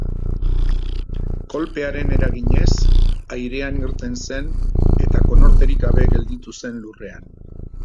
Kolpearen eraginez, airean irten zen eta konorterik gabe gelditu zen lurrean.